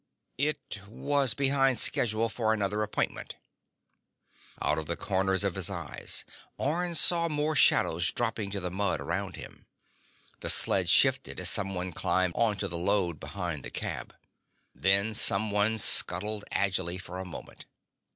"It was behind schedule for another appointment." Out of the corners of his eyes, Orne saw more shadows dropping to the mud around him. The sled shifted as someone climbed onto the load behind the cab. The someone scuttled agilely for a moment.